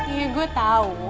iya gue tau